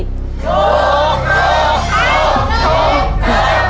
สี่ข้อความตัวเลือกที่สองสี่ข้อความ